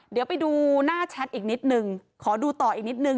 เดี๋ยวไปดูหน้าแชทอีกนิดนึงขอดูต่ออีกนิดนึง